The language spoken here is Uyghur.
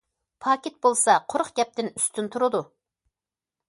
پاكىت بولسا قۇرۇق گەپتىن ئۈستۈن تۇرىدۇ.